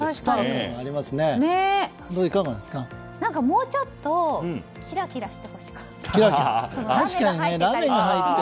もうちょっとキラキラしてほしかった。